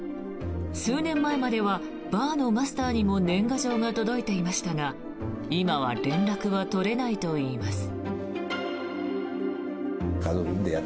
数年前まではバーのマスターにも年賀状が届いていましたが今は連絡は取れないといいます。